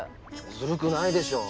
ずるくないでしょ。